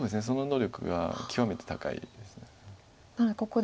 その能力が極めて高いです。